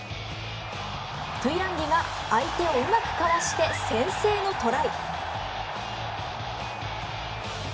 トゥイランギが相手をうまくかわして先制のトライ。